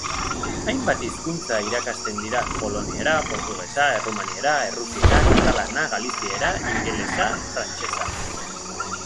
Hainbat hizkuntza irakasten dira: poloniera, portugesa, errumaniera, errusiera, katalana, galiziera, ingelesa, frantsesa.